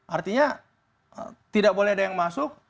artinya tidak boleh ada yang masuk